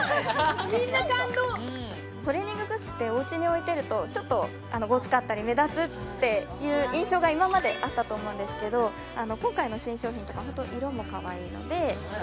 みんな感動トレーニンググッズっておうちに置いてるとちょっとゴツかったり目立つっていう印象が今まであったと思うんですけど今回の新商品とかホント色もかわいいのでくすみグリーンやかわいいですね